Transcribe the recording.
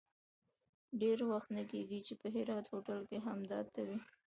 ډېر وخت نه کېږي چې په هرات هوټل کې همدا ته وې.